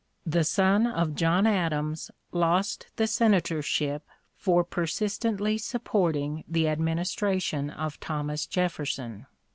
The son of John Adams lost the senatorship for persistently supporting the administration of Thomas Jefferson.